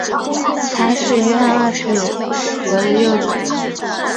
他是约翰二世和的幼子。